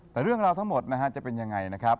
แต่เรื่องราวทั้งหมดจะเป็นอย่างไรนะครับ